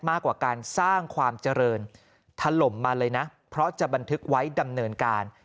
มากกว่าการสร้างความเจริญถล่มมาเลยนะเพราะจะบันทึกไว้ดำเนินการ